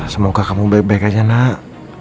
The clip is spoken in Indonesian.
semoga kamu baik baik aja nak